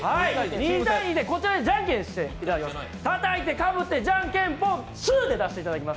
こちらでじゃんけんしていただきますたたいてかぶってじゃんけんぽん２で出していただきます。